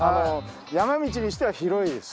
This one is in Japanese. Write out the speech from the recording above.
山道にしては広いです。